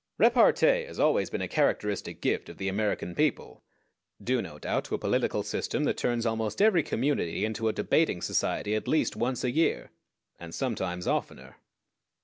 Repartee has always been a characteristic gift of the American people, due no doubt to a political system that turns almost every community into a debating society at least once a year, and sometimes oftener.